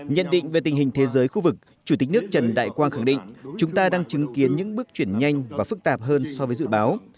nhận định về tình hình thế giới khu vực chủ tịch nước trần đại quang khẳng định chúng ta đang chứng kiến những bước chuyển nhanh và phức tạp hơn so với dự báo